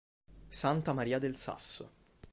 Santa Maria del Sasso